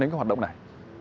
đến cái hoạt động này